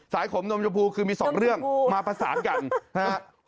ขมนมชมพูคือมีสองเรื่องมาประสานกันนะฮะ